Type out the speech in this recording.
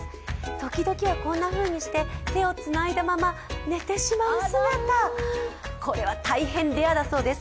時々はこんなふうにして手をつないだまま寝てしまう姿、これは大変レアだそうです。